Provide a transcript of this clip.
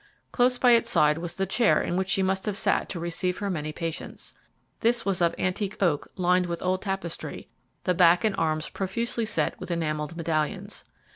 Close by its side was the chair in which she must have sat to receive her many patients. This was of antique oak lined with old tapestry, the back and arms profusely set with enamelled medallions.